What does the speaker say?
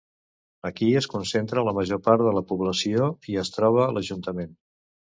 Aquí es concentra la major part de la població i es troba l'ajuntament.